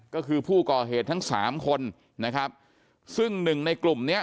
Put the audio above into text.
ก็คือผู้ก่อเหตุทั้งสามคนนะครับซึ่งหนึ่งในกลุ่มเนี้ย